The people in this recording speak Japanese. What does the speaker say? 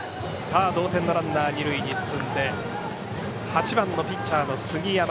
同点のランナー、二塁に進んで８番ピッチャーの杉山。